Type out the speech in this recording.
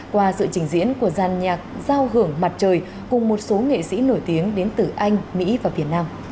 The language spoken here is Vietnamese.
qua sự trình diễn của gian nhạc giao hưởng mặt trời cùng một số nghệ sĩ nổi tiếng đến từ anh mỹ và việt nam